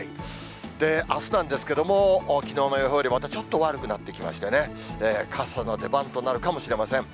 あすなんですけども、きのうの予報よりまたちょっと悪くなってきましてね、傘の出番となるかもしれません。